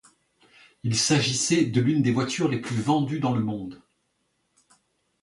Il s'agissait de l'une des voitures les plus vendues dans le monde.